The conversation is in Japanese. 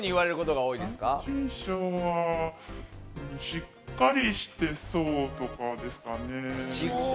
しっかりしてそうとかですかね。